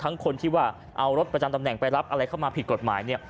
คนที่ว่าเอารถประจำตำแหน่งไปรับอะไรเข้ามาผิดกฎหมายเนี่ย